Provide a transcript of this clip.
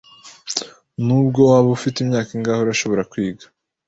Nubwo waba ufite imyaka ingahe, urashobora kwiga.